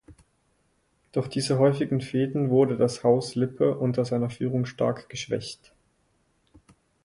Durch diese häufigen Fehden wurde das Haus Lippe unter seiner Führung stark geschwächt.